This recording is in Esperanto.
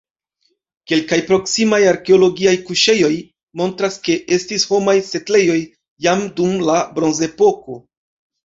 Kelkaj proksimaj arkeologiaj kuŝejoj montras, ke estis homaj setlejoj jam dum la Bronzepoko.